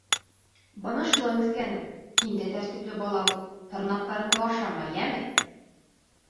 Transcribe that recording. Бына шулай, үҫкәнем, һин дә тәртипле бала бул, тырнаҡтарыңды ашама, йәме!